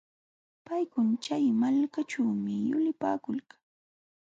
Paykuna chay malkaćhuumi yulipaakulqaa.